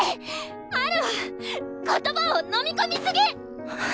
ハルは言葉を飲み込みすぎ！